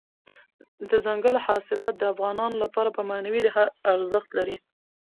دځنګل حاصلات د افغانانو لپاره په معنوي لحاظ ارزښت لري.